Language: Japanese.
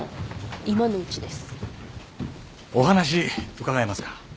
お話伺えますか？